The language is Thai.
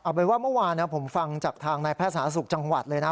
เอาเป็นว่าเมื่อวานผมฟังจากทางนายแพทย์สาธารณสุขจังหวัดเลยนะ